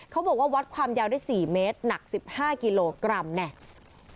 วัดความยาวได้๔เมตรหนัก๑๕กิโลกรัมเนี่ย